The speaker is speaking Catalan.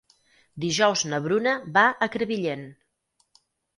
Dijous na Bruna va a Crevillent.